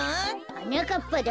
はなかっぱだよ。